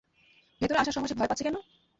ভেতরে আসার সময় সে ভয় পাচ্ছে কেন?